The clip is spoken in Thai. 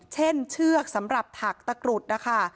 เชือกสำหรับถักตะกรุดนะคะ